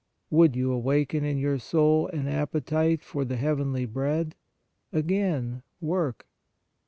Would you awaken in your soul an appetite for the heavenly Bread ? Again, work.